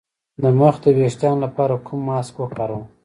د مخ د ويښتانو لپاره کوم ماسک وکاروم؟